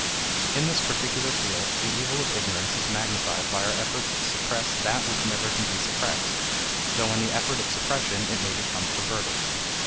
In this particular field the evil of ignorance is magnified by our efforts to suppress that which never can be suppressed, though in the effort of suppression it may become perverted.